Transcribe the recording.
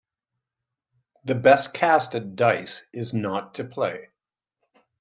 The best cast at dice is not to play.